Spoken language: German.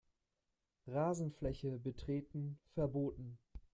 Rasenfläche betreten verboten.